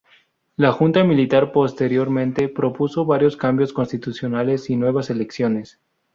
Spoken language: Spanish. La junta militar posteriormente propuso varios cambios constitucionales y nuevas elecciones.